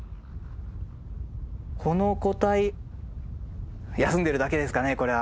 この個体休んでるだけですかねこれは。